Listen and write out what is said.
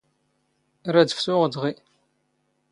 ⵔⴰⴷ ⴼⵜⵓⵖ ⴷⵖⵉ.